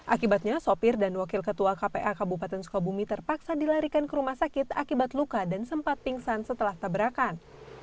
akibatnya sopir dan wakil ketua kpa kabupaten sukabumi terpaksa dilarikan ke rumah sakit akibat luka dan sempat pingsan setelah tabrakan